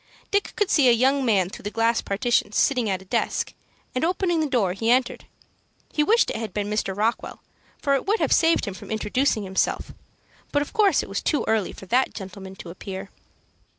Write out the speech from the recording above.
Dick could see a young man through the glass partition sitting at a desk; and, opening the door, he entered. He wished it had been Mr. Rockwell, for it would have saved him from introducing himself; but of course it was too early for that gentleman to appear.